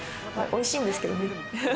おいしいんですけどね。